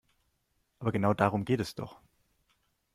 Aber genau darum geht es doch.